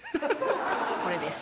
これです。